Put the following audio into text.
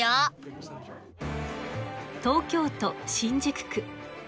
東京都新宿区。